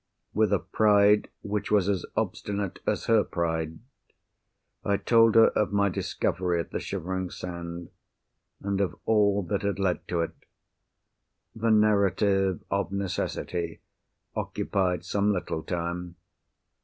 With a pride which was as obstinate as her pride, I told her of my discovery at the Shivering Sand, and of all that had led to it. The narrative, of necessity, occupied some little time.